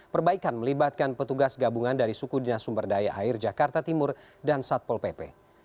perbaikan melibatkan petugas gabungan dari suku dinas sumberdaya air jakarta timur dan satpol pp